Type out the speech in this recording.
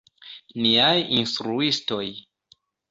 Niaj instruistoj.